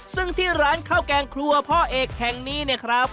ซึ่งที่ร้านข้าวแกงครัวพ่อเอกแห่งนี้เนี่ยครับ